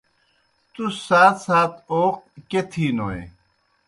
تُس سات سات اوق کیْہ تِھینوئے؟۔